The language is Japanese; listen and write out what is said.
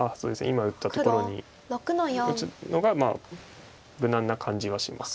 今打ったところに打つのが無難な感じはします。